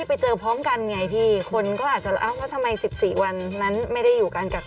แอ๊บพึ่งออกจากกากตัวตอนที่พันวันทั้งหมด